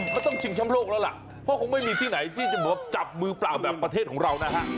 เขาต้องชิงช้ำโลกแล้วล่ะเพราะคงไม่มีที่ไหนที่จะบอกว่าจับมือเปล่าแบบประเทศของเรานะฮะ